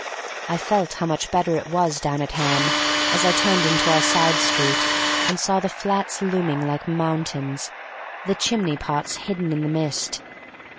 I felt how much better it was down at Ham, as I turned into our side street, and saw the flats looming like mountains, the chimney pots hidden in the mist.